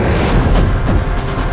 aku akan menang